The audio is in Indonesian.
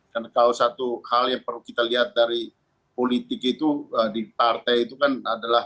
karena kalau satu hal yang perlu kita lihat dari politik itu di partai itu kan adalah